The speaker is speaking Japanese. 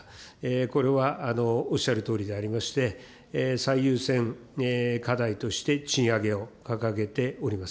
これはおっしゃるとおりでありまして、最優先課題として賃上げを掲げております。